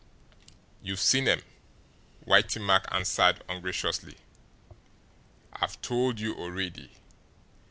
"You've seen 'em," Whitey Mack answered ungraciously. "I've told you already.